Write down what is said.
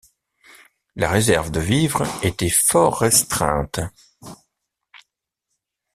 La réserve de vivres était fort restreinte.